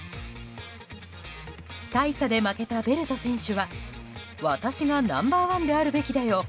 大差で負けたベルト選手は私がナンバー１であるべきだよ